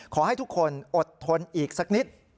ขอให้ทุกคนอดทนอีกสักนิด